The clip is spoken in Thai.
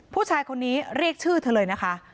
ผู้ชายคนนี้เรียกชื่อเธอเลยนะคะ